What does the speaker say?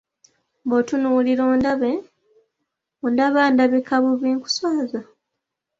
Bw'ontunuulira ondaba ndabika bubi nkuswaza?